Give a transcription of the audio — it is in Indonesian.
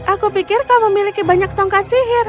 aku pikir kau memiliki banyak tongkat sihir